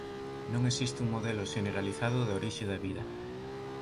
Non existe un modelo xeneralizado da orixe da vida.